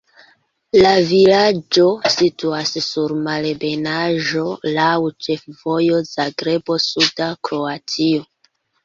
La vilaĝo situas sur malebenaĵo, laŭ ĉefvojo Zagrebo-suda Kroatio.